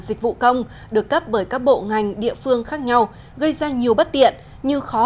dịch vụ công được cấp bởi các bộ ngành địa phương khác nhau gây ra nhiều bất tiện như khó